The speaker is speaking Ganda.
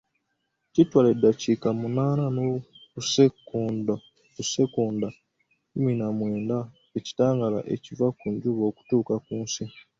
Kitwala eddakiika munaana n'obusikonda kkumi na mwenda ekitangaala ekiva ku njuba okutuuka ku nsi